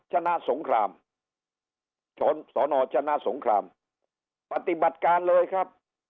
ชนะสงครามชนสนชนะสงครามปฏิบัติการเลยครับ